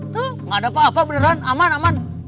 tuh gak ada apa apa beneran aman aman